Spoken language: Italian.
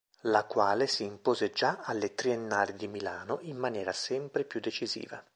La quale si impose già alle Triennali di Milano in maniera sempre più decisiva.